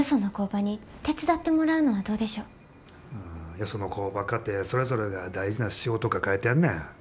よその工場かてそれぞれが大事な仕事抱えてんねん。